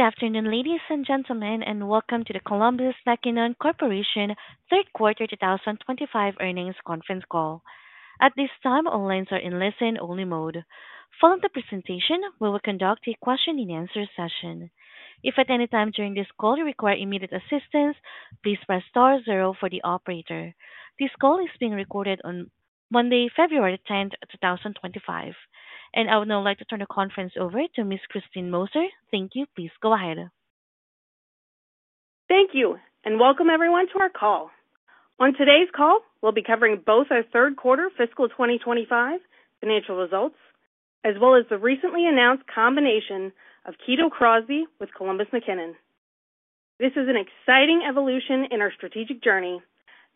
Good afternoon, ladies and gentlemen, and welcome to the Columbus McKinnon Corporation Third Quarter 2025 Earnings Conference Call. At this time, all lines are in listen-only mode. Following the presentation, we will conduct a question-and-answer session. If at any time during this call you require immediate assistance, please press star zero for the operator. This call is being recorded on Monday, February 10th, 2025. And I would now like to turn the conference over to Ms. Kristine Moser. Thank you. Please go ahead. Thank you, and welcome everyone to our call. On today's call, we'll be covering both our third quarter fiscal 2025 financial results, as well as the recently announced combination of Kito Crosby with Columbus McKinnon. This is an exciting evolution in our strategic journey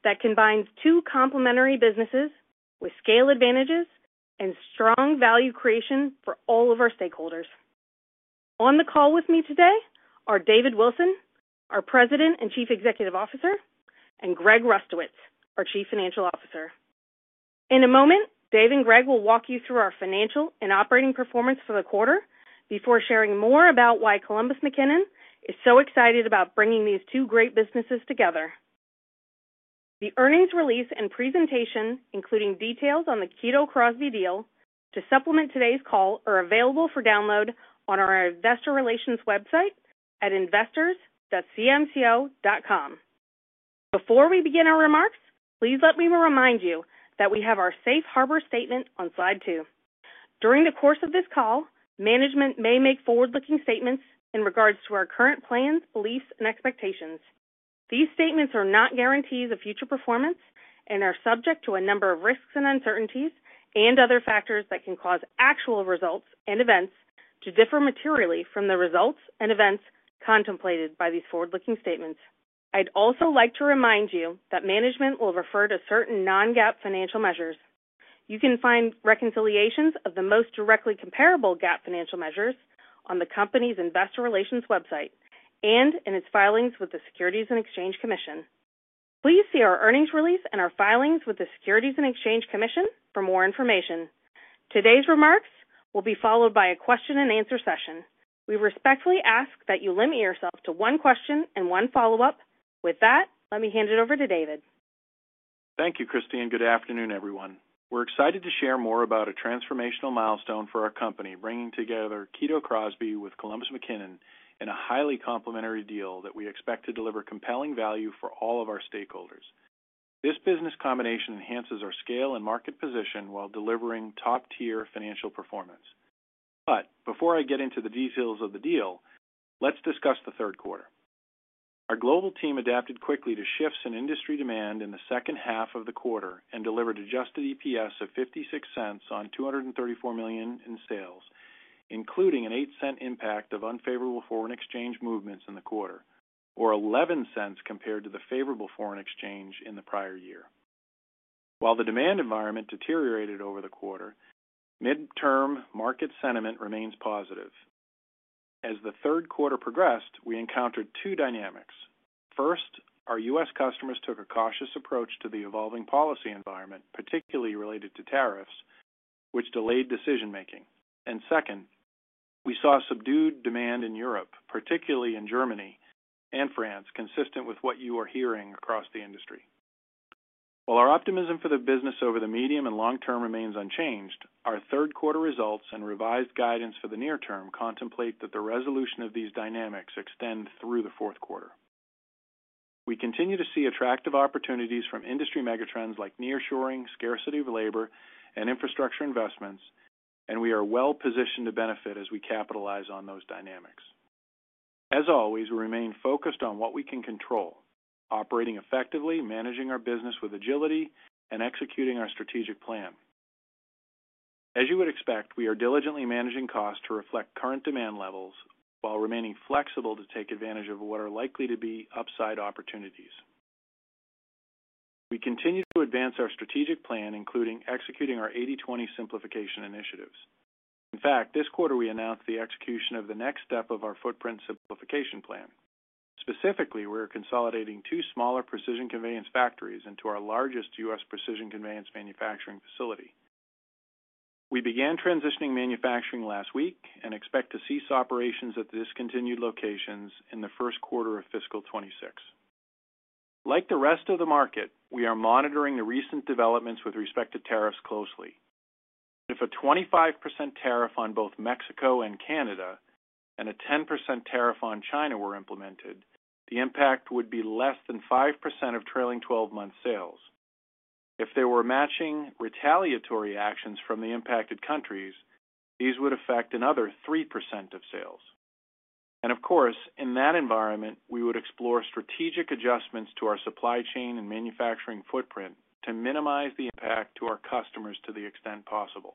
that combines two complementary businesses with scale advantages and strong value creation for all of our stakeholders. On the call with me today are David Wilson, our President and Chief Executive Officer, and Greg Rustowicz, our Chief Financial Officer. In a moment, Dave and Greg will walk you through our financial and operating performance for the quarter before sharing more about why Columbus McKinnon is so excited about bringing these two great businesses together. The earnings release and presentation, including details on the Kito Crosby deal to supplement today's call, are available for download on our investor relations website at investors.cmco.com. Before we begin our remarks, please let me remind you that we have our safe harbor statement on slide two. During the course of this call, management may make forward-looking statements in regards to our current plans, beliefs, and expectations. These statements are not guarantees of future performance and are subject to a number of risks and uncertainties and other factors that can cause actual results and events to differ materially from the results and events contemplated by these forward-looking statements. I'd also like to remind you that management will refer to certain non-GAAP financial measures. You can find reconciliations of the most directly comparable GAAP financial measures on the company's investor relations website and in its filings with the Securities and Exchange Commission. Please see our earnings release and our filings with the Securities and Exchange Commission for more information. Today's remarks will be followed by a question-and-answer session. We respectfully ask that you limit yourself to one question and one follow-up. With that, let me hand it over to David. Thank you, Kristine. Good afternoon, everyone. We're excited to share more about a transformational milestone for our company, bringing together Kito Crosby with Columbus McKinnon in a highly complementary deal that we expect to deliver compelling value for all of our stakeholders. This business combination enhances our scale and market position while delivering top-tier financial performance. But before I get into the details of the deal, let's discuss the third quarter. Our global team adapted quickly to shifts in industry demand in the second half of the quarter and delivered Adjusted EPS of $0.56 on $234 million in sales, including an $0.08 impact of unfavorable foreign exchange movements in the quarter, or $0.11 compared to the favorable foreign exchange in the prior year. While the demand environment deteriorated over the quarter, midterm market sentiment remains positive. As the third quarter progressed, we encountered two dynamics. First, our U.S. Customers took a cautious approach to the evolving policy environment, particularly related to tariffs, which delayed decision-making, and second, we saw subdued demand in Europe, particularly in Germany and France, consistent with what you are hearing across the industry. While our optimism for the business over the medium and long term remains unchanged, our third quarter results and revised guidance for the near term contemplate that the resolution of these dynamics extends through the fourth quarter. We continue to see attractive opportunities from industry megatrends like nearshoring, scarcity of labor, and infrastructure investments, and we are well-positioned to benefit as we capitalize on those dynamics. As always, we remain focused on what we can control, operating effectively, managing our business with agility, and executing our strategic plan. As you would expect, we are diligently managing costs to reflect current demand levels while remaining flexible to take advantage of what are likely to be upside opportunities. We continue to advance our strategic plan, including executing our 80/20 simplification initiatives. In fact, this quarter, we announced the execution of the next step of our footprint simplification plan. Specifically, we're consolidating two smaller Precision Conveyance factories into our largest U.S. Precision Conveyance manufacturing facility. We began transitioning manufacturing last week and expect to cease operations at the discontinued locations in the first quarter of fiscal 2026. Like the rest of the market, we are monitoring the recent developments with respect to tariffs closely. If a 25% tariff on both Mexico and Canada and a 10% tariff on China were implemented, the impact would be less than 5% of trailing 12-month sales. If there were matching retaliatory actions from the impacted countries, these would affect another 3% of sales. Of course, in that environment, we would explore strategic adjustments to our supply chain and manufacturing footprint to minimize the impact to our customers to the extent possible.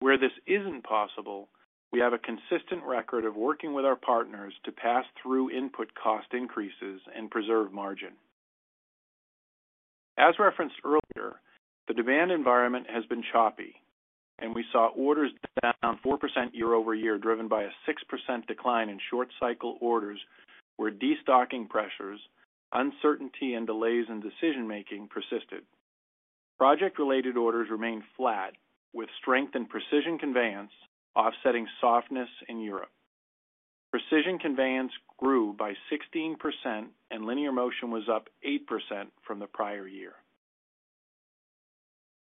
Where this isn't possible, we have a consistent record of working with our partners to pass through input cost increases and preserve margin. As referenced earlier, the demand environment has been choppy, and we saw orders down 4% year-over-year driven by a 6% decline in short-cycle orders where destocking pressures, uncertainty, and delays in decision-making persisted. Project-related orders remained flat, with strength in Precision Conveyance offsetting softness in Europe. Precision Conveyance grew by 16%, and Linear Motion was up 8% from the prior year.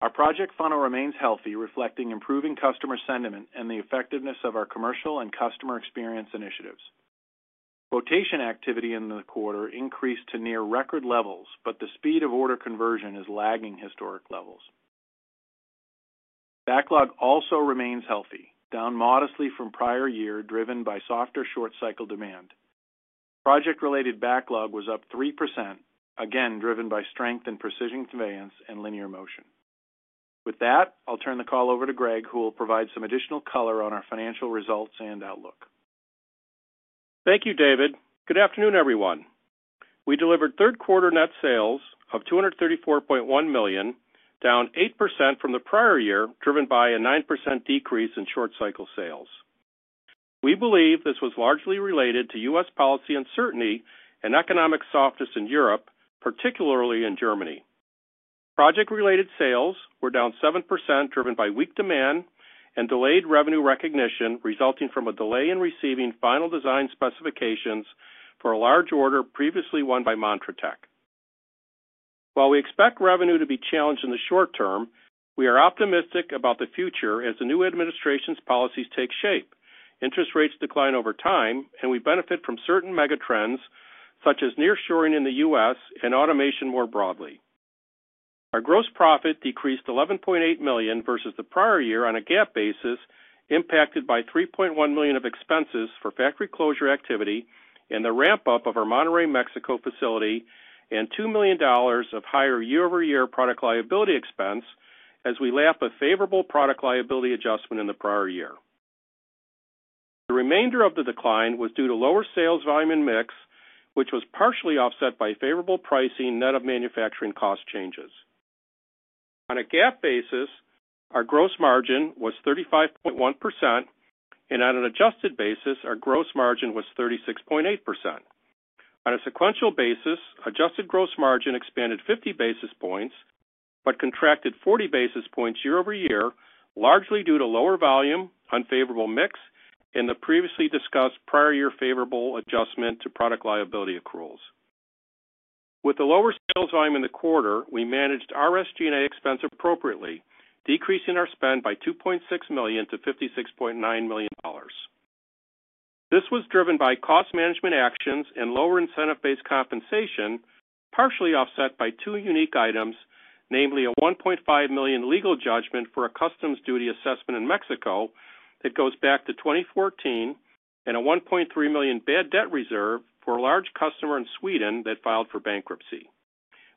Our project funnel remains healthy, reflecting improving customer sentiment and the effectiveness of our commercial and customer experience initiatives. Quotation activity in the quarter increased to near-record levels, but the speed of order conversion is lagging historic levels. Backlog also remains healthy, down modestly from prior year driven by softer short-cycle demand. Project-related backlog was up 3%, again driven by strength in Precision Conveyance and Linear Motion. With that, I'll turn the call over to Greg, who will provide some additional color on our financial results and outlook. Thank you, David. Good afternoon, everyone. We delivered third-quarter net sales of $234.1 million, down 8% from the prior year driven by a 9% decrease in short-cycle sales. We believe this was largely related to U.S. policy uncertainty and economic softness in Europe, particularly in Germany. Project-related sales were down 7% driven by weak demand and delayed revenue recognition resulting from a delay in receiving final design specifications for a large order previously won by Montratec. While we expect revenue to be challenged in the short term, we are optimistic about the future as the new administration's policies take shape, interest rates decline over time, and we benefit from certain megatrends such as nearshoring in the U.S. and automation more broadly. Our gross profit decreased $11.8 million versus the prior year on a GAAP basis, impacted by $3.1 million of expenses for factory closure activity and the ramp-up of our Monterrey, Mexico facility, and $2 million of higher year-over-year product liability expense as we lap a favorable product liability adjustment in the prior year. The remainder of the decline was due to lower sales volume and mix, which was partially offset by favorable pricing net of manufacturing cost changes. On a GAAP basis, our gross margin was 35.1%, and on an adjusted basis, our gross margin was 36.8%. On a sequential basis, Adjusted gross margin expanded 50 basis points but contracted 40 basis points year-over-year, largely due to lower volume, unfavorable mix, and the previously discussed prior-year favorable adjustment to product liability accruals. With the lower sales volume in the quarter, we managed SG&A expense appropriately, decreasing our spend by $2.6 million to $56.9 million. This was driven by cost management actions and lower incentive-based compensation, partially offset by two unique items, namely a $1.5 million legal judgment for a customs duty assessment in Mexico that goes back to 2014 and a $1.3 million bad debt reserve for a large customer in Sweden that filed for bankruptcy.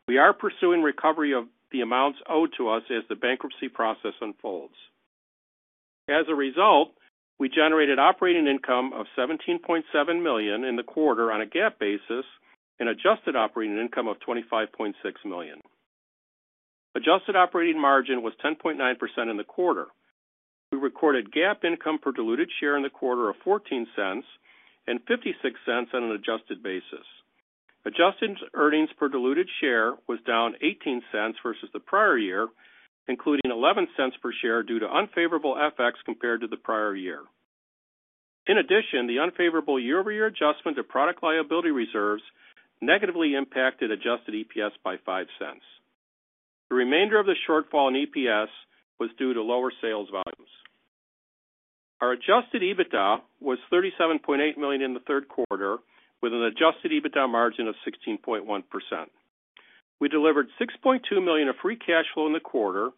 We are pursuing recovery of the amounts owed to us as the bankruptcy process unfolds. As a result, we generated operating income of $17.7 million in the quarter on a GAAP basis and Adjusted operating income of $25.6 million. Adjusted operating margin was 10.9% in the quarter. We recorded GAAP income per diluted share in the quarter of $0.14 and $0.56 on an adjusted basis. Adjusted earnings per diluted share was down $0.18 versus the prior year, including $0.11 per share due to unfavorable FX compared to the prior year. In addition, the unfavorable year-over-year adjustment to product liability reserves negatively impacted Adjusted EPS by $0.05. The remainder of the shortfall in EPS was due to lower sales volumes. Our Adjusted EBITDA was $37.8 million in the third quarter, with an Adjusted EBITDA margin of 16.1%. We delivered $6.2 million of free cash flow in the quarter,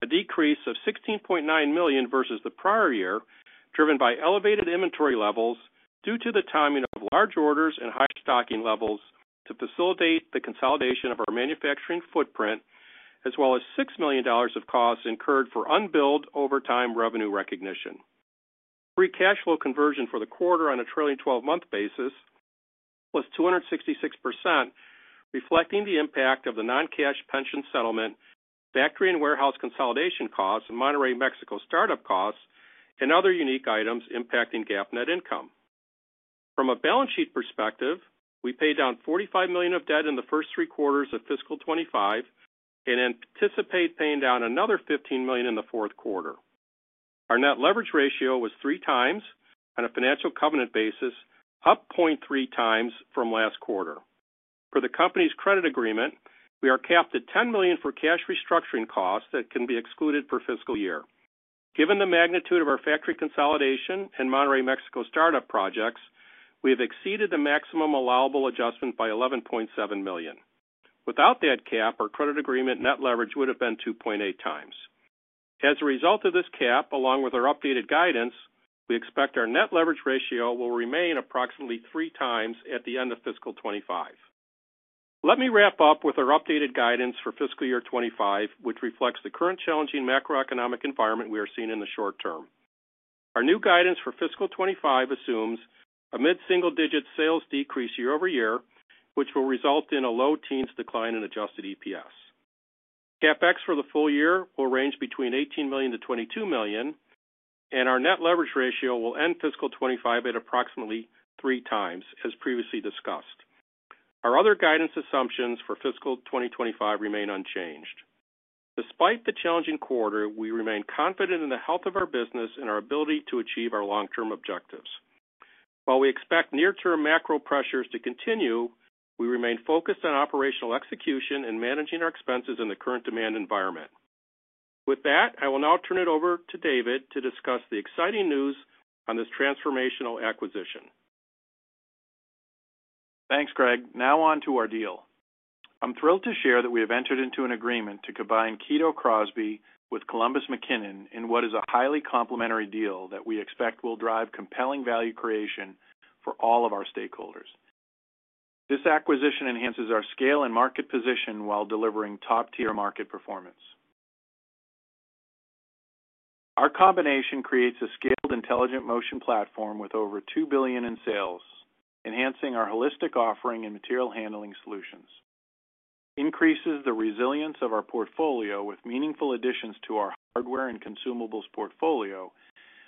a decrease of $16.9 million versus the prior year, driven by elevated inventory levels due to the timing of large orders and high stocking levels to facilitate the consolidation of our manufacturing footprint, as well as $6 million of costs incurred for unbilled over time revenue recognition. Free cash flow conversion for the quarter on a trailing 12-month basis was 266%, reflecting the impact of the non-cash pension settlement, factory and warehouse consolidation costs, and Monterrey, Mexico startup costs, and other unique items impacting GAAP net income. From a balance sheet perspective, we paid down $45 million of debt in the first three quarters of fiscal 2025 and anticipate paying down another $15 million in the fourth quarter. Our net leverage ratio was three times on a financial covenant basis, up 0.3 times from last quarter. For the company's credit agreement, we are capped at $10 million for cash restructuring costs that can be excluded for fiscal year. Given the magnitude of our factory consolidation and Monterrey, Mexico startup projects, we have exceeded the maximum allowable adjustment by $11.7 million. Without that cap, our credit agreement net leverage would have been 2.8 times. As a result of this cap, along with our updated guidance, we expect our net leverage ratio will remain approximately three times at the end of fiscal 2025. Let me wrap up with our updated guidance for fiscal year 2025, which reflects the current challenging macroeconomic environment we are seeing in the short term. Our new guidance for fiscal 2025 assumes a mid-single-digit sales decrease year-over-year, which will result in a low teens decline in Adjusted EPS. CapEx for the full year will range between $18 million-$22 million, and our net leverage ratio will end fiscal 2025 at approximately three times, as previously discussed. Our other guidance assumptions for fiscal 2025 remain unchanged. Despite the challenging quarter, we remain confident in the health of our business and our ability to achieve our long-term objectives. While we expect near-term macro pressures to continue, we remain focused on operational execution and managing our expenses in the current demand environment. With that, I will now turn it over to David to discuss the exciting news on this transformational acquisition. Thanks, Greg. Now on to our deal. I'm thrilled to share that we have entered into an agreement to combine Kito Crosby with Columbus McKinnon in what is a highly complementary deal that we expect will drive compelling value creation for all of our stakeholders. This acquisition enhances our scale and market position while delivering top-tier market performance. Our combination creates a scaled Intelligent Motion platform with over $2 billion in sales, enhancing our holistic offering and material handling solutions. It increases the resilience of our portfolio with meaningful additions to our hardware and consumables portfolio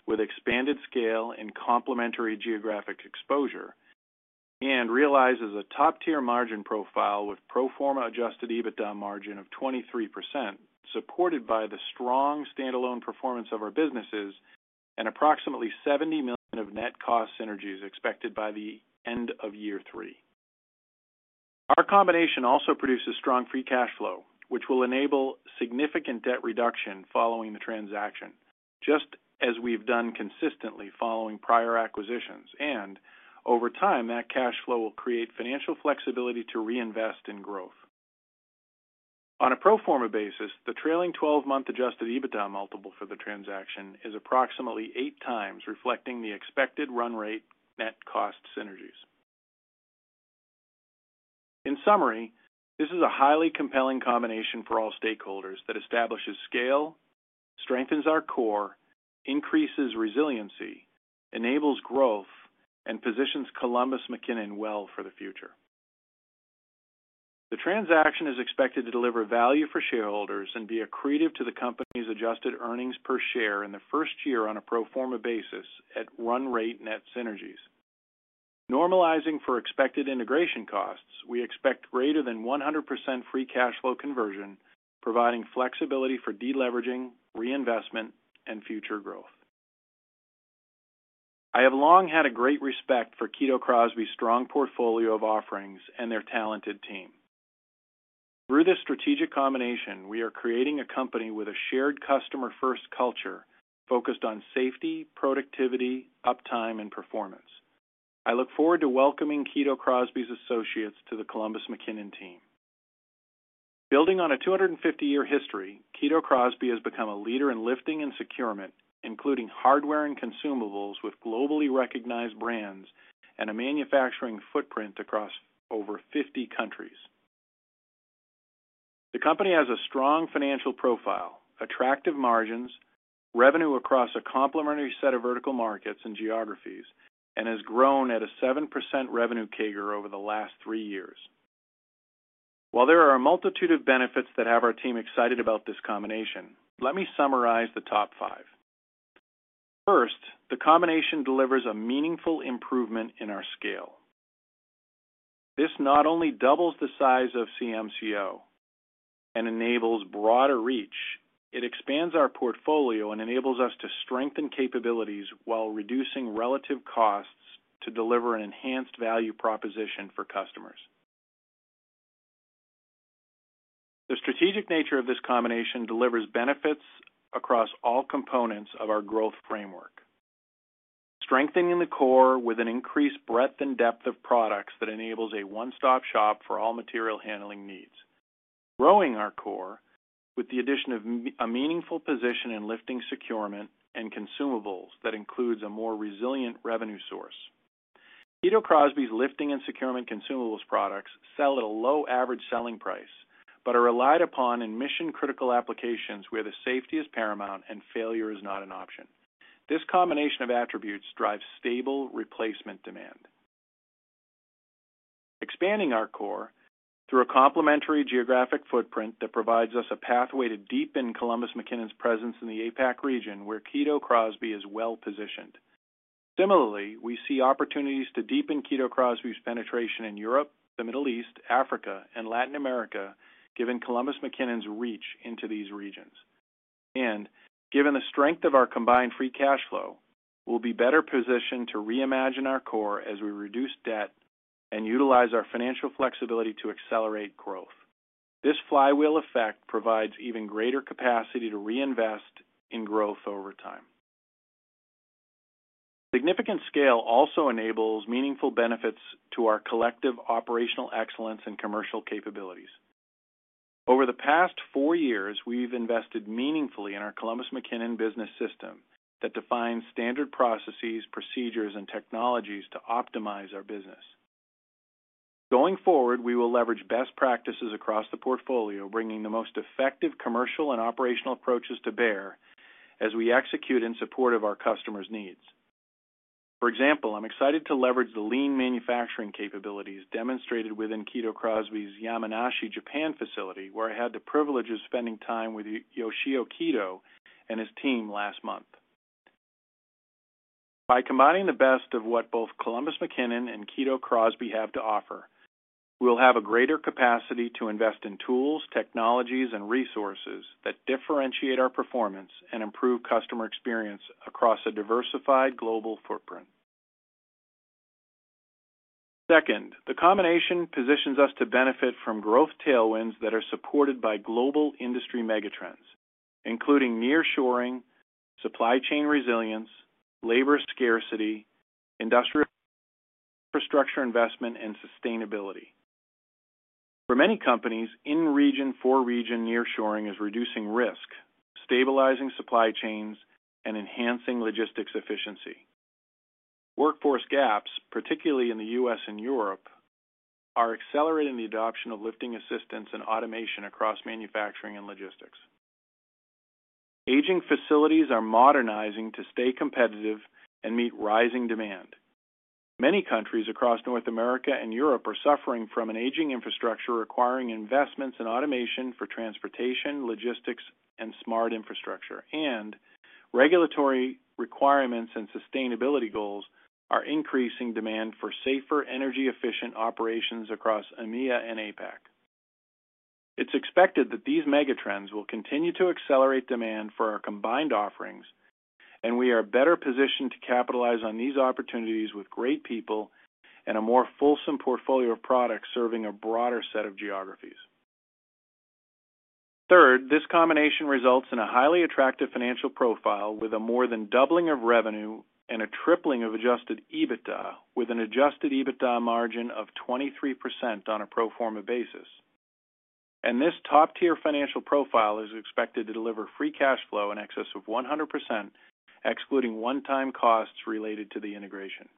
with expanded scale and complementary geographic exposure, and realizes a top-tier margin profile with pro forma Adjusted EBITDA margin of 23%, supported by the strong standalone performance of our businesses and approximately $70 million of net cost synergies expected by the end of year three. Our combination also produces strong free cash flow, which will enable significant debt reduction following the transaction, just as we've done consistently following prior acquisitions, and over time, that cash flow will create financial flexibility to reinvest in growth. On a pro forma basis, the trailing 12-month Adjusted EBITDA multiple for the transaction is approximately eight times, reflecting the expected run rate net cost synergies. In summary, this is a highly compelling combination for all stakeholders that establishes scale, strengthens our core, increases resiliency, enables growth, and positions Columbus McKinnon well for the future. The transaction is expected to deliver value for shareholders and be accretive to the company's Adjusted earnings per share in the first year on a pro forma basis at run rate net synergies. Normalizing for expected integration costs, we expect greater Free cash flow conversion, providing flexibility for deleveraging, reinvestment, and future growth. I have long had a great respect for Kito Crosby's strong portfolio of offerings and their talented team. Through this strategic combination, we are creating a company with a shared customer-first culture focused on safety, productivity, uptime, and performance. I look forward to welcoming Kito Crosby's associates to the Columbus McKinnon team. Building on a 250-year history, Kito Crosby has become a leader in lifting and securement, including hardware and consumables with globally recognized brands and a manufacturing footprint across over 50 countries. The company has a strong financial profile, attractive margins, revenue across a complementary set of vertical markets and geographies, and has grown at a 7% revenue CAGR over the last three years. While there are a multitude of benefits that have our team excited about this combination, let me summarize the top five. First, the combination delivers a meaningful improvement in our scale. This not only doubles the size of CMCO and enables broader reach, it expands our portfolio and enables us to strengthen capabilities while reducing relative costs to deliver an enhanced value proposition for customers. The strategic nature of this combination delivers benefits across all components of our growth framework, strengthening the core with an increased breadth and depth of products that enables a one-stop shop for all material handling needs, growing our core with the addition of a meaningful position in lifting and securement and consumables that includes a more resilient revenue source. Kito Crosby's lifting and securement consumables products sell at a low average selling price but are relied upon in mission-critical applications where safety is paramount and failure is not an option. This combination of attributes drives stable replacement demand. Expanding our core through a complementary geographic footprint that provides us a pathway to deepen Columbus McKinnon's presence in the APAC region where Kito Crosby is well positioned. Similarly, we see opportunities to deepen Kito Crosby's penetration in Europe, the Middle East, Africa, and Latin America, given Columbus McKinnon's reach into these regions. And given the strength of our combined free cash flow, we'll be better positioned to reimagine our core as we reduce debt and utilize our financial flexibility to accelerate growth. This flywheel effect provides even greater capacity to reinvest in growth over time. Significant scale also enables meaningful benefits to our collective operational excellence and commercial capabilities. Over the past four years, we've invested meaningfully in our Columbus McKinnon Business System that defines standard processes, procedures, and technologies to optimize our business. Going forward, we will leverage best practices across the portfolio, bringing the most effective commercial and operational approaches to bear as we execute in support of our customers' needs. For example, I'm excited to leverage the lean manufacturing capabilities demonstrated within Kito Crosby's Yamanashi, Japan, facility, where I had the privilege of spending time with Yoshio Kito and his team last month. By combining the best of what both Columbus McKinnon and Kito Crosby have to offer, we'll have a greater capacity to invest in tools, technologies, and resources that differentiate our performance and improve customer experience across a diversified global footprint. Second, the combination positions us to benefit from growth tailwinds that are supported by global industry megatrends, including nearshoring, supply chain resilience, labor scarcity, industrial infrastructure investment, and sustainability. For many companies, in-region, for-region, nearshoring is reducing risk, stabilizing supply chains, and enhancing logistics efficiency. Workforce gaps, particularly in the U.S. and Europe, are accelerating the adoption of lifting assistance and automation across manufacturing and logistics. Aging facilities are modernizing to stay competitive and meet rising demand. Many countries across North America and Europe are suffering from an aging infrastructure requiring investments in automation for transportation, logistics, and smart infrastructure, and regulatory requirements and sustainability goals are increasing demand for safer, energy-efficient operations across EMEA and APAC. It's expected that these megatrends will continue to accelerate demand for our combined offerings, and we are better positioned to capitalize on these opportunities with great people and a more fulsome portfolio of products serving a broader set of geographies. Third, this combination results in a highly attractive financial profile with a more than doubling of revenue and a tripling of Adjusted EBITDA, with an Adjusted EBITDA margin of 23% on a pro forma basis. And this top-tier financial profile is expected to deliver free cash flow in excess of 100%, excluding one-time costs related to the integration.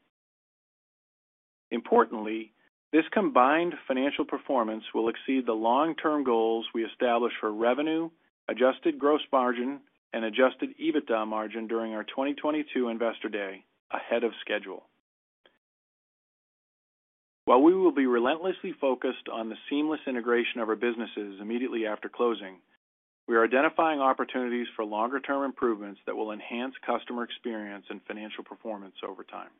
Importantly, this combined financial performance will exceed the long-term goals we established for revenue, Adjusted gross margin, and Adjusted EBITDA margin during our 2022 Investor Day ahead of schedule. While we will be relentlessly focused on the seamless integration of our businesses immediately after closing, we are identifying opportunities for longer-term improvements that will enhance customer experience and financial performance over time.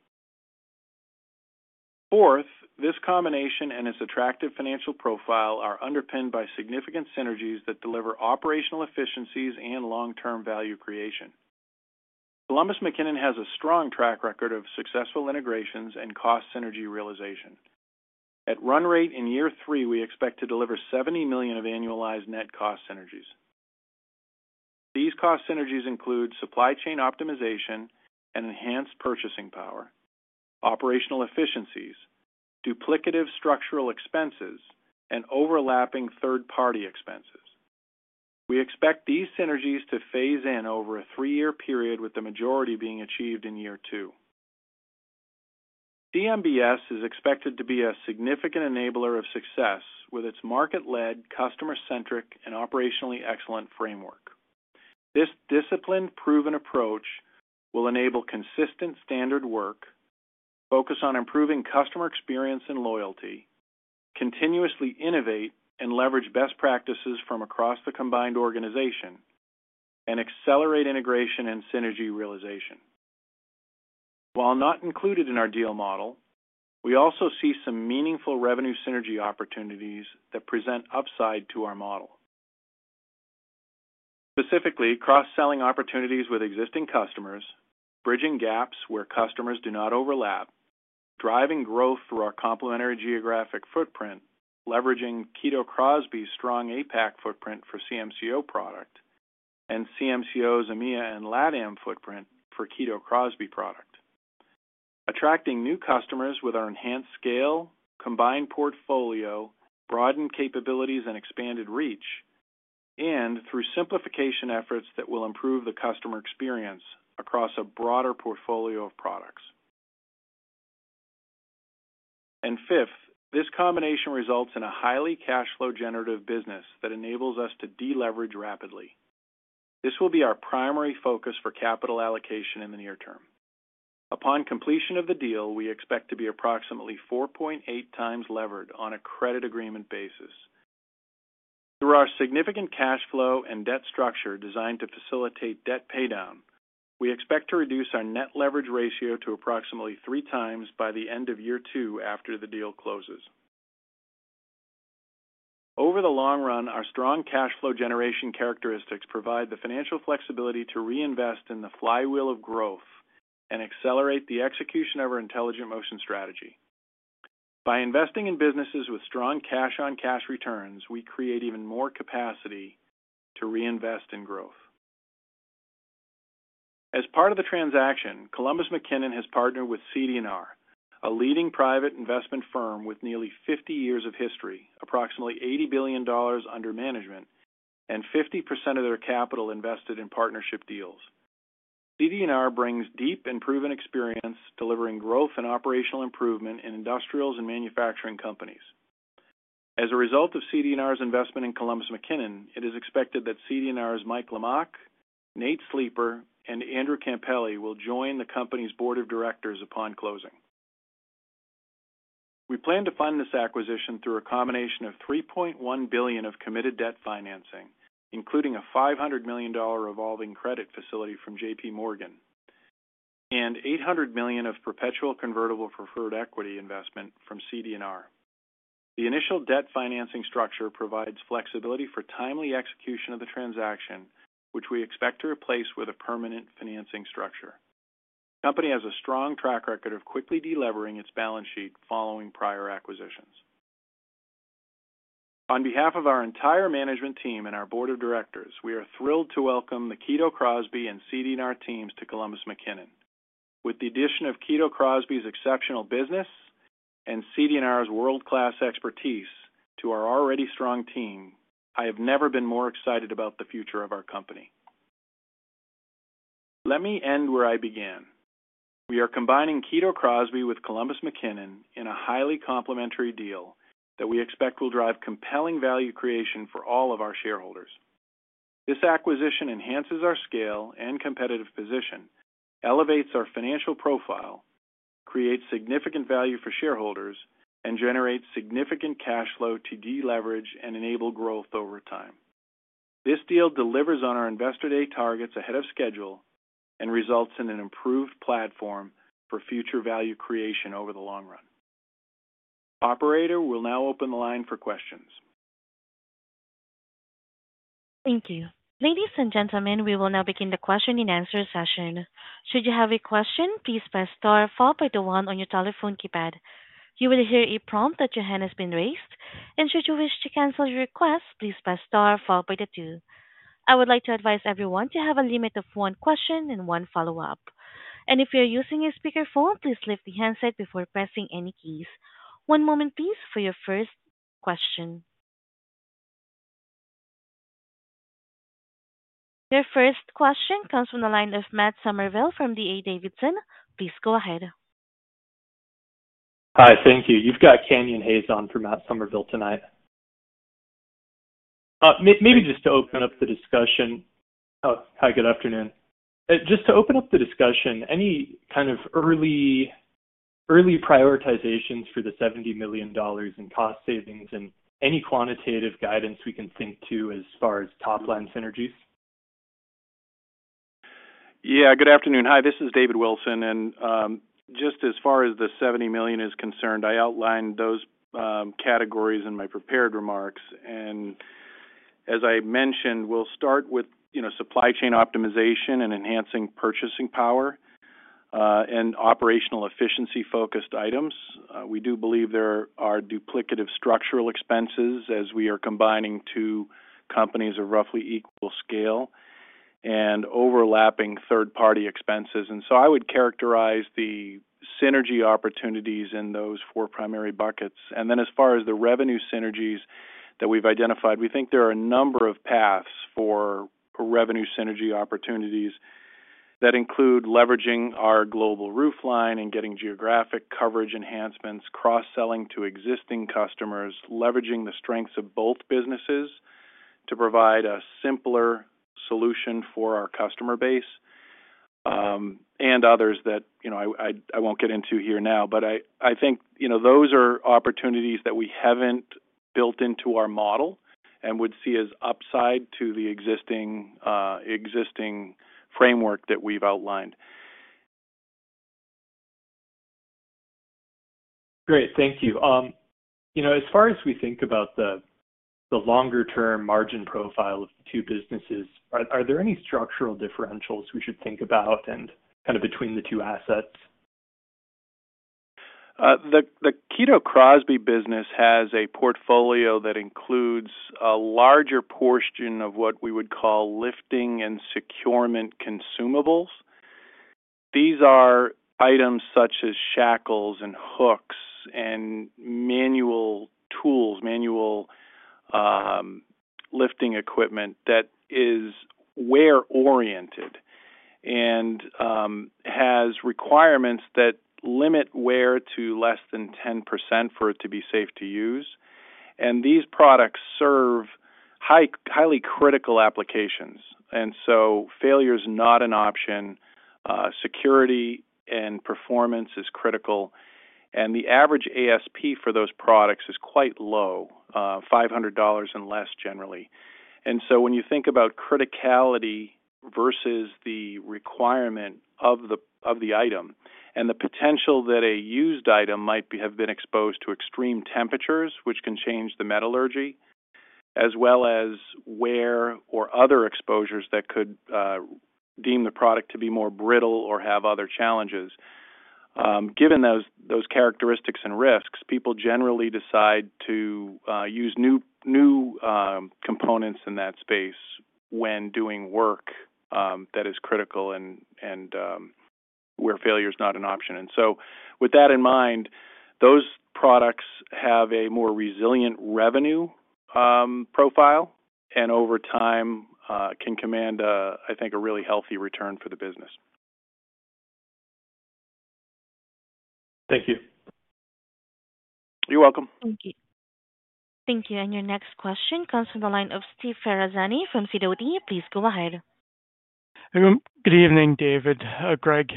Fourth, this combination and its attractive financial profile are underpinned by significant synergies that deliver operational efficiencies and long-term value creation. Columbus McKinnon has a strong track record of successful integrations and cost synergy realization. At run rate in year three, we expect to deliver $70 million of annualized net cost synergies. These cost synergies include supply chain optimization and enhanced purchasing power, operational efficiencies, duplicative structural expenses, and overlapping third-party expenses. We expect these synergies to phase in over a three-year period, with the majority being achieved in year two. CMBS is expected to be a significant enabler of success with its market-led, customer-centric, and operationally excellent framework. This disciplined, proven approach will enable consistent standard work, focus on improving customer experience and loyalty, continuously innovate and leverage best practices from across the combined organization, and accelerate integration and synergy realization. While not included in our deal model, we also see some meaningful revenue synergy opportunities that present upside to our model. Specifically, cross-selling opportunities with existing customers, bridging gaps where customers do not overlap, driving growth through our complementary geographic footprint, leveraging Kito Crosby's strong APAC footprint for CMCO product, and CMCO's EMEA and LATAM footprint for Kito Crosby product. Attracting new customers with our enhanced scale, combined portfolio, broadened capabilities, and expanded reach, and through simplification efforts that will improve the customer experience across a broader portfolio of products. And fifth, this combination results in a highly cash flow generative business that enables us to deleverage rapidly. This will be our primary focus for capital allocation in the near term. Upon completion of the deal, we expect to be approximately 4.8 times levered on a credit agreement basis. Through our significant cash flow and debt structure designed to facilitate debt paydown, we expect to reduce our net leverage ratio to approximately three times by the end of year two after the deal closes. Over the long run, our strong cash flow generation characteristics provide the financial flexibility to reinvest in the flywheel of growth and accelerate the execution of our Intelligent Motion strategy. By investing in businesses with strong cash-on-cash returns, we create even more capacity to reinvest in growth. As part of the transaction, Columbus McKinnon has partnered with CD&R, a leading private investment firm with nearly 50 years of history, approximately $80 billion under management, and 50% of their capital invested in partnership deals. CD&R brings deep and proven experience delivering growth and operational improvement in industrials and manufacturing companies. As a result of CD&R's investment in Columbus McKinnon, it is expected that CD&R's Michael Lamach, Nathan Sleeper, and Andrew Campelli will join the company's board of directors upon closing. We plan to fund this acquisition through a combination of $3.1 billion of committed debt financing, including a $500 million revolving credit facility from J.P. Morgan, and $800 million of perpetual convertible preferred equity investment from CD&R. The initial debt financing structure provides flexibility for timely execution of the transaction, which we expect to replace with a permanent financing structure. The company has a strong track record of quickly delevering its balance sheet following prior acquisitions. On behalf of our entire management team and our board of directors, we are thrilled to welcome the Kito Crosby and CD&R teams to Columbus McKinnon. With the addition of Kito Crosby's exceptional business and CD&R's world-class expertise to our already strong team, I have never been more excited about the future of our company. Let me end where I began. We are combining Kito Crosby with Columbus McKinnon in a highly complementary deal that we expect will drive compelling value creation for all of our shareholders. This acquisition enhances our scale and competitive position, elevates our financial profile, creates significant value for shareholders, and generates significant cash flow to deleverage and enable growth over time. This deal delivers on our investor day targets ahead of schedule and results in an improved platform for future value creation over the long run. Operator will now open the line for questions. Thank you. Ladies and gentlemen, we will now begin the question and answer session. Should you have a question, please press star followed by the one on your telephone keypad. You will hear a prompt that your hand has been raised. And should you wish to cancel your request, please press star followed by the two. I would like to advise everyone to have a limit of one question and one follow-up. And if you're using a speakerphone, please lift the handset before pressing any keys. One moment, please, for your first question. Your first question comes from the line of Matt Summerville from D.A. Davidson. Please go ahead. Hi, thank you. You've got Canyon Hayes on for Matt Summerville tonight. Maybe just to open up the discussion. Hi, good afternoon. Just to open up the discussion, any kind of early prioritizations for the $70 million in cost savings and any quantitative guidance we can think to as far as top-line synergies? Yeah, good afternoon. Hi, this is David Wilson, and just as far as the $70 million is concerned, I outlined those categories in my prepared remarks, and as I mentioned, we'll start with supply chain optimization and enhancing purchasing power and operational efficiency-focused items. We do believe there are duplicative structural expenses as we are combining two companies of roughly equal scale and overlapping third-party expenses, and so I would characterize the synergy opportunities in those four primary buckets. And then as far as the revenue synergies that we've identified, we think there are a number of paths for revenue synergy opportunities that include leveraging our global footprint and getting geographic coverage enhancements, cross-selling to existing customers, leveraging the strengths of both businesses to provide a simpler solution for our customer base, and others that I won't get into here now. But I think those are opportunities that we haven't built into our model and would see as upside to the existing framework that we've outlined. Great. Thank you. As far as we think about the longer-term margin profile of the two businesses, are there any structural differentials we should think about kind of between the two assets? The Kito Crosby business has a portfolio that includes a larger portion of what we would call lifting and securement consumables. These are items such as shackles and hooks and manual tools, manual lifting equipment that is wear-oriented and has requirements that limit wear to less than 10% for it to be safe to use, and these products serve highly critical applications, and so failure is not an option. Security and performance is critical, and the average ASP for those products is quite low, $500 and less generally, and so when you think about criticality versus the requirement of the item and the potential that a used item might have been exposed to extreme temperatures, which can change the metallurgy, as well as wear or other exposures that could deem the product to be more brittle or have other challenges. Given those characteristics and risks, people generally decide to use new components in that space when doing work that is critical and where failure is not an option. And so with that in mind, those products have a more resilient revenue profile and over time can command, I think, a really healthy return for the business. Thank you. You're welcome. Thank you. And your next question comes from the line of Steve Ferazani from Sidoti & Company. Please go ahead. Good evening, David or Greg.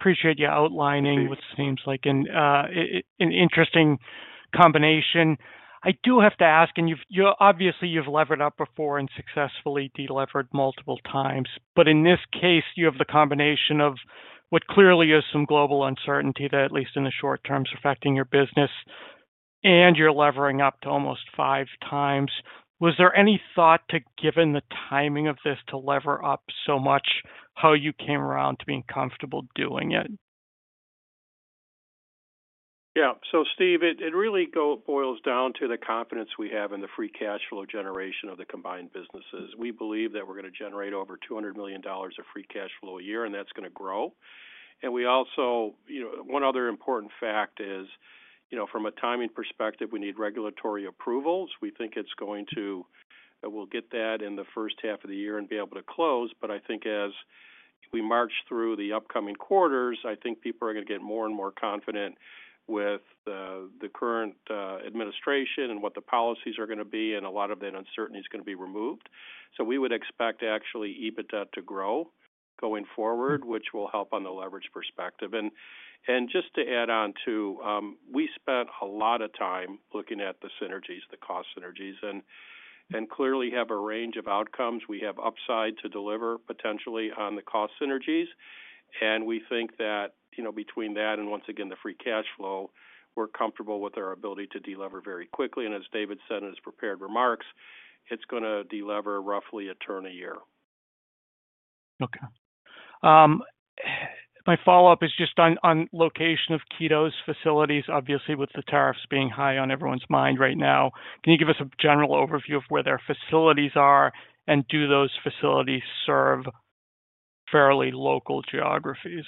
Appreciate your outlining what seems like an interesting combination. I do have to ask, and obviously, you've levered up before and successfully delivered multiple times. But in this case, you have the combination of what clearly is some global uncertainty that, at least in the short term, is affecting your business, and you're levering up to almost five times. Was there any thought to, given the timing of this, to lever up so much, how you came around to being comfortable doing it? Yeah. So Steve, it really boils down to the confidence we have in the free cash flow generation of the combined businesses. We believe that we're going to generate over $200 million of free cash flow a year, and that's going to grow. And one other important fact is, from a timing perspective, we need regulatory approvals. We think that we'll get that in the first half of the year and be able to close. But I think as we march through the upcoming quarters, I think people are going to get more and more confident with the current administration and what the policies are going to be, and a lot of that uncertainty is going to be removed. So we would expect actually EBITDA to grow going forward, which will help on the leverage perspective. And just to add on to, we spent a lot of time looking at the synergies, the cost synergies, and clearly have a range of outcomes. We have upside to deliver potentially on the cost synergies. And we think that between that and, once again, the free cash flow, we're comfortable with our ability to deliver very quickly. And as David said in his prepared remarks, it's going to deliver roughly a turn a year. Okay. My follow-up is just on location of Kito's facilities, obviously, with the tariffs being high on everyone's mind right now. Can you give us a general overview of where their facilities are and do those facilities serve fairly local geographies?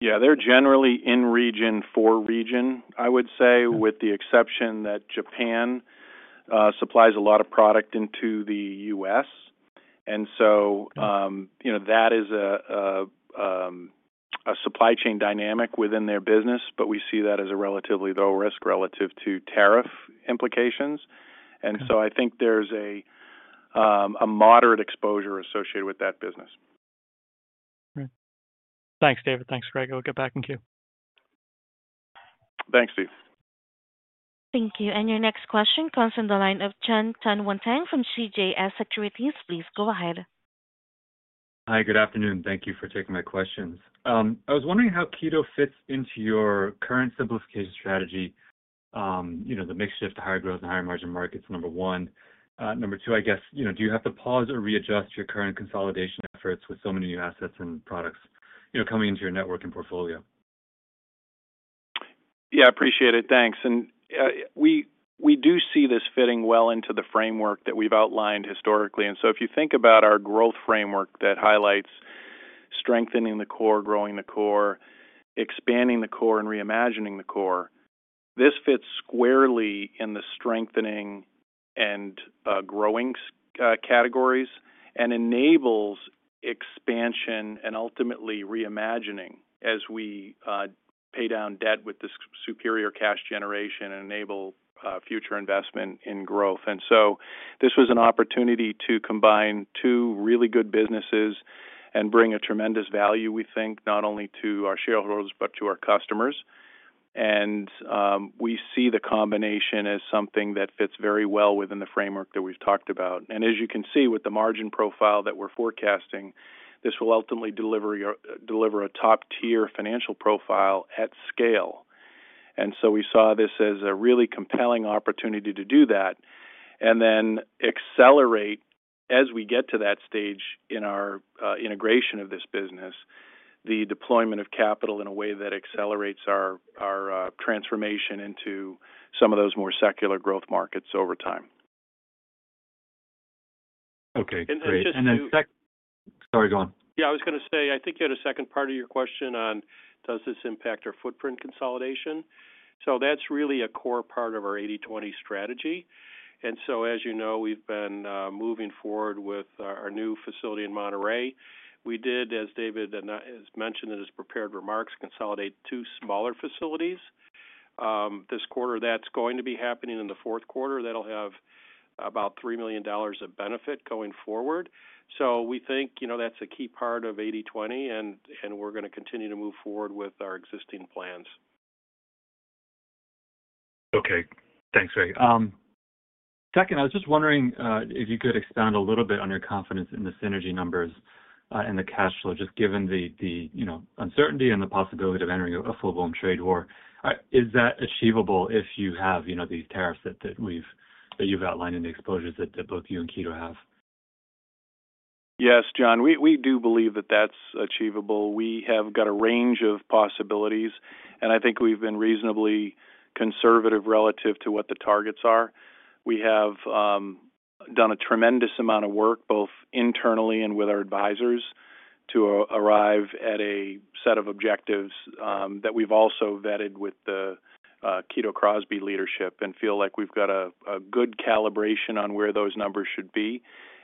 Yeah. They're generally in region for region, I would say, with the exception that Japan supplies a lot of product into the U.S. And so that is a supply chain dynamic within their business, but we see that as a relatively low risk relative to tariff implications. And so I think there's a moderate exposure associated with that business. Thanks, David. Thanks, Greg. I'll get back in queue. Thanks, Steve. Thank you. And your next question comes from the line of Jonathan Tanwanteng from CJS Securities. Please go ahead. Hi, good afternoon. Thank you for taking my questions. I was wondering how Kito fits into your current simplification strategy, the mixed shift, higher growth, and higher margin markets, number one. Number two, I guess, do you have to pause or readjust your current consolidation efforts with so many new assets and products coming into your network and portfolio? Yeah, I appreciate it. Thanks. And we do see this fitting well into the framework that we've outlined historically. And so if you think about our growth framework that highlights strengthening the core, growing the core, expanding the core, and reimagining the core, this fits squarely in the strengthening and growing categories and enables expansion and ultimately reimagining as we pay down debt with this superior cash generation and enable future investment in growth. And so this was an opportunity to combine two really good businesses and bring a tremendous value, we think, not only to our shareholders but to our customers. And we see the combination as something that fits very well within the framework that we've talked about. And as you can see, with the margin profile that we're forecasting, this will ultimately deliver a top-tier financial profile at scale. And so we saw this as a really compelling opportunity to do that and then accelerate, as we get to that stage in our integration of this business, the deployment of capital in a way that accelerates our transformation into some of those more secular growth markets over time. Okay. And then. Sorry, go on. Yeah, I was going to say, I think you had a second part of your question on, does this impact our footprint consolidation? So that's really a core part of our 80/20 strategy. And so, as you know, we've been moving forward with our new facility in Monterrey. We did, as David has mentioned in his prepared remarks, consolidate two smaller facilities. This quarter, that's going to be happening in the fourth quarter. That'll have about $3 million of benefit going forward. So we think that's a key part of 80/20, and we're going to continue to move forward with our existing plans. Okay. Thanks, Greg. Second, I was just wondering if you could expand a little bit on your confidence in the synergy numbers and the cash flow, just given the uncertainty and the possibility of entering a full-blown trade war. Is that achievable if you have these tariffs that you've outlined and the exposures that both you and Kito have? Yes, John. We do believe that that's achievable. We have got a range of possibilities, and I think we've been reasonably conservative relative to what the targets are. We have done a tremendous amount of work both internally and with our advisors to arrive at a set of objectives that we've also vetted with the Kito Crosby leadership and feel like we've got a good calibration on where those numbers should be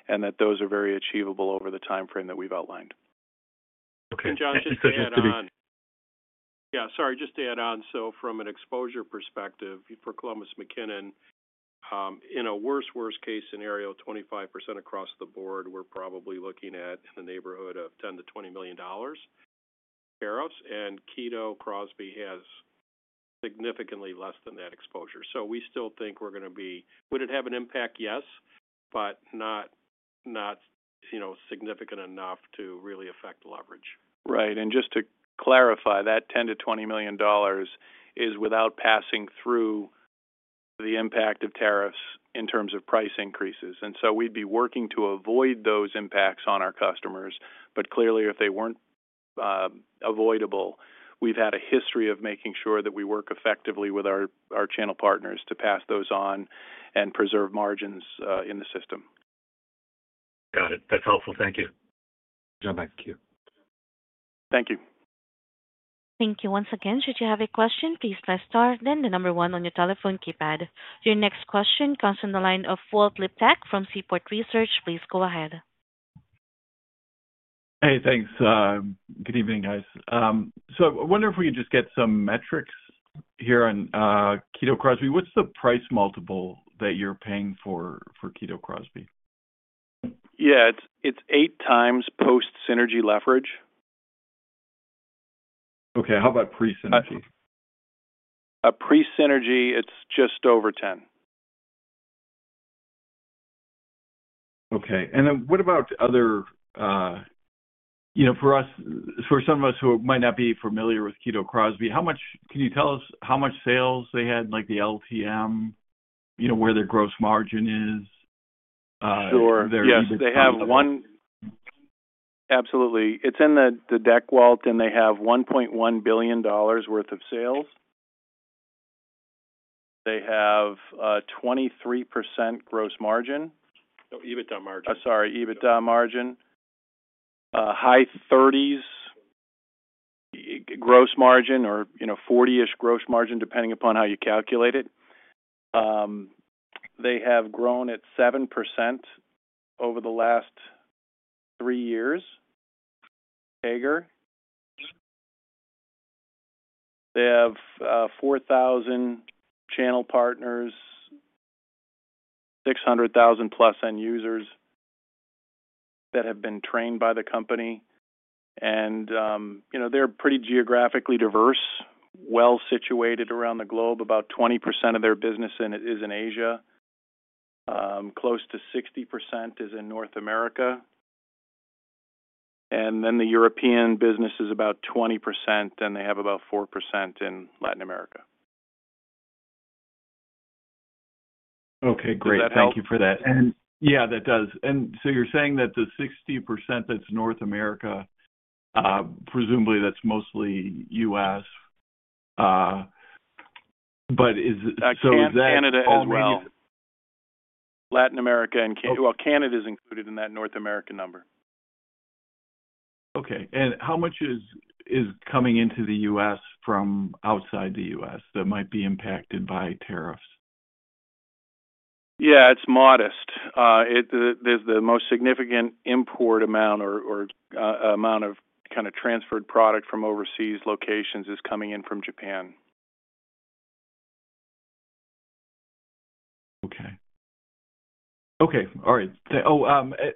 and that those are very achievable over the timeframe that we've outlined. Okay. And, John, just to add on Yeah, sorry. Just to add on. So from an exposure perspective for Columbus McKinnon, in a worst, worst-case scenario, 25% across the board, we're probably looking at in the neighborhood of $10-$20 million tariffs. And Kito Crosby has significantly less than that exposure. So we still think we're going to be would it have an impact? Yes, but not significant enough to really affect leverage. Right. And just to clarify, that $10-$20 million is without passing through the impact of tariffs in terms of price increases. And so we'd be working to avoid those impacts on our customers. But clearly, if they weren't avoidable, we've had a history of making sure that we work effectively with our channel partners to pass those on and preserve margins in the system. Got it. That's helpful. Thank you. John, back to you. Thank you. Thank you once again. Should you have a question, please press star then the number one on your telephone keypad. Your next question comes from the line of Walter Liptak from Seaport Research Partners. Please go ahead. Hey, thanks. Good evening, guys. So I wonder if we could just get some metrics here on Kito Crosby. What's the price multiple that you're paying for Kito Crosby? Yeah. It's eight times post-synergy leverage. Okay. How about pre-synergy? Pre-synergy, it's just over 10. Okay. And then what about other for some of us who might not be familiar with Kito Crosby, can you tell us how much sales they had, like the LTM, where their gross margin is? Sure. Yes. They have one absolutely. It's in the deck Walt, and they have $1.1 billion worth of sales. They have 23% gross margin. Oh, EBITDA margin. Sorry, EBITDA margin. High 30s gross margin or 40-ish gross margin, depending upon how you calculate it. They have grown at 7% over the last three years, CAGR. They have 4,000 channel partners, 600,000-plus end users that have been trained by the company, and they're pretty geographically diverse, well-situated around the globe. About 20% of their business is in Asia. Close to 60% is in North America, and then the European business is about 20%, and they have about 4% in Latin America. Okay. Great. Thank you for that. And yeah, that does. And so you're saying that the 60% that's North America, presumably that's mostly U.S., but is that? Actually, Canada as well. Latin America and well, Canada is included in that North American number. Okay. And how much is coming into the U.S. from outside the U.S. that might be impacted by tariffs? Yeah, it's modest. The most significant import amount or amount of kind of transferred product from overseas locations is coming in from Japan. Oh,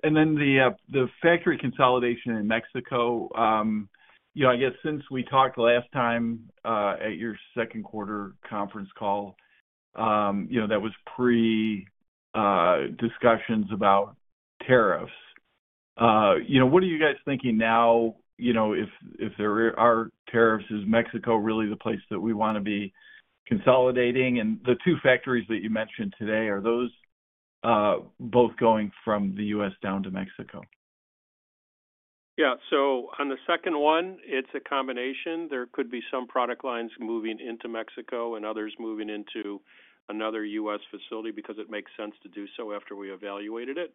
and then the factory consolidation in Mexico, I guess since we talked last time at your second quarter conference call, that was pre-discussions about tariffs. What are you guys thinking now if there are tariffs? Is Mexico really the place that we want to be consolidating? And the two factories that you mentioned today, are those both going from the U.S. down to Mexico? Yeah. So on the second one, it's a combination. There could be some product lines moving into Mexico and others moving into another U.S. facility because it makes sense to do so after we evaluated it.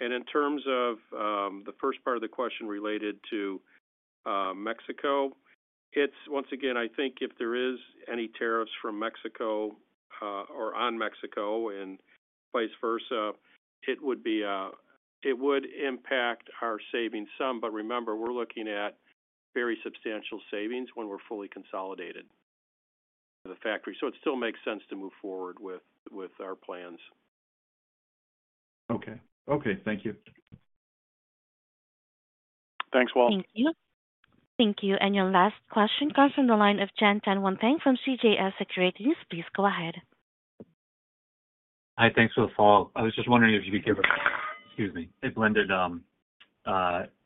And in terms of the first part of the question related to Mexico, once again, I think if there is any tariffs from Mexico or on Mexico and vice versa, it would impact our savings some. But remember, we're looking at very substantial savings when we're fully consolidated for the factory. So it still makes sense to move forward with our plans. Okay. Okay. Thank you. Thanks, Walt. Thank you. Thank you. And your last question comes from the line of Jonathan Tanwanteng from CJS Securities. Please go ahead. Hi, thanks for the follow-up. I was just wondering if you could give us, excuse me, a blended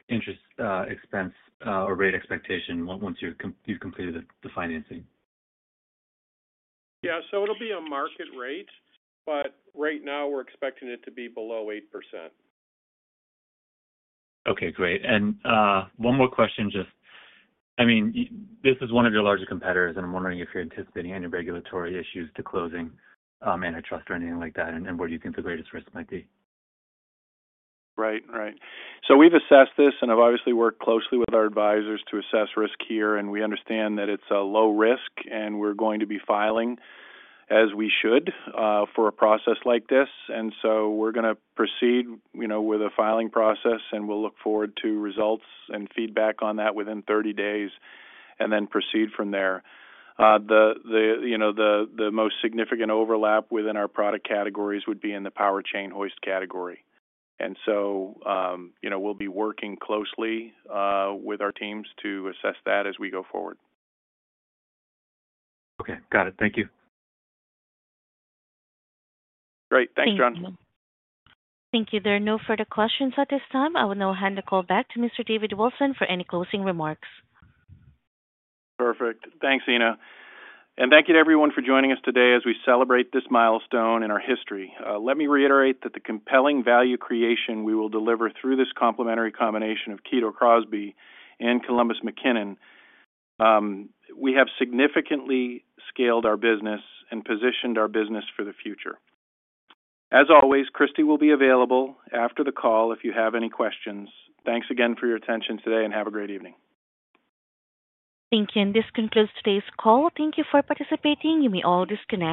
interest expense or rate expectation once you've completed the financing. Yeah. So it'll be a market rate, but right now, we're expecting it to be below 8%. Okay. Great. And one more question. I mean, this is one of your larger competitors, and I'm wondering if you're anticipating any regulatory issues to closing antitrust or anything like that, and what do you think the greatest risk might be? Right. Right. So we've assessed this, and I've obviously worked closely with our advisors to assess risk here, and we understand that it's a low risk, and we're going to be filing as we should for a process like this, and so we're going to proceed with a filing process, and we'll look forward to results and feedback on that within 30 days and then proceed from there. The most significant overlap within our product categories would be in the power chain hoist category, and so we'll be working closely with our teams to assess that as we go forward. Okay. Got it. Thank you. Great. Thanks, John. Thank you. There are no further questions at this time. I will now hand the call back to Mr. David Wilson for any closing remarks. Perfect. Thanks, Ina. And thank you to everyone for joining us today as we celebrate this milestone in our history. Let me reiterate that the compelling value creation we will deliver through this complementary combination of Kito Crosby and Columbus McKinnon, we have significantly scaled our business and positioned our business for the future. As always, Kristy will be available after the call if you have any questions. Thanks again for your attention today, and have a great evening. Thank you. This concludes today's call. Thank you for participating. You may all disconnect.